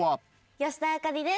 吉田あかりです。